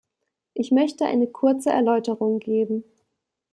Ich möchte eine kurze Erläuterung geben.